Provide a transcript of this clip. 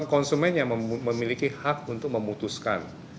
konsumen yang memiliki hak untuk memutuskan